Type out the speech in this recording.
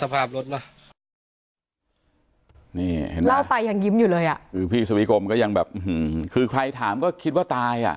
พี่สวิกลมก็ยังแบบฮือใครถามก็คิดว่ามีตาย